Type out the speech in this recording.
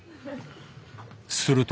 すると。